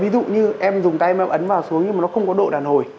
ví dụ như em dùng tay mà em ấn vào xuống nhưng mà nó không có độ đàn hồi